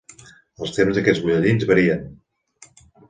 Els temps d'aquests butlletins varien.